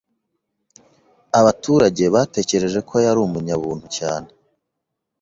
Abaturage batekereje ko yari umunyabuntu cyane.